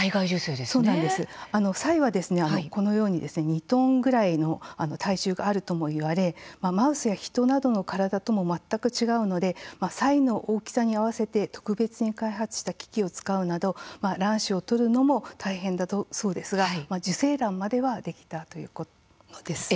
サイはこのように２トンくらい体重があるともいわれマウスやヒトなどの体とも全く違うのでサイの大きさに合わせて特別に開発した機器を使うなど卵子を採るのも大変だそうですが受精卵まではできたということです。